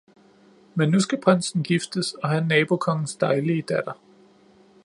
Men nu skal prinsen giftes og have nabokongens dejlige datter!